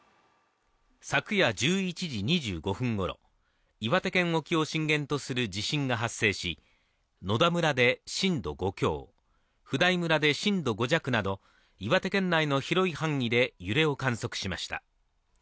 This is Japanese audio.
昨夜１１時２５分ごろ、岩手県沖を震源とする地震が発生し野田村で震度５強、普代村で震度５弱など岩手県内の広い範囲で揺れを観測しました。